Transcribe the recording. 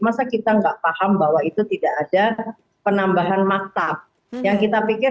masa kita nggak paham bahwa itu tidak ada penambahan maktab yang kita pikir